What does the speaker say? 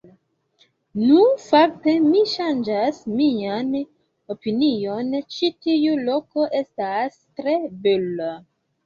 Nu, fakte mi ŝanĝas mian opinion ĉi tiu loko estas tre bela